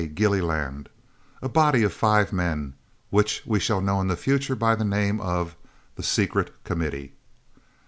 Gillyland, a body of five men, which we shall know in future by the name of "the Secret Committee."